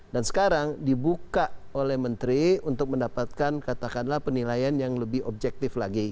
dan sekarang dibuka oleh menteri untuk mendapatkan katakanlah penilaian yang lebih objektif lagi